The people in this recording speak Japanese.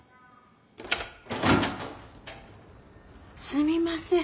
すみません。